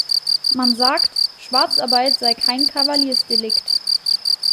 Man sagt, Schwarzarbeit sei kein Kavaliersdelikt.